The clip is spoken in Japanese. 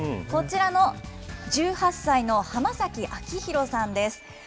こちらの１８歳の濱崎明洋さんです。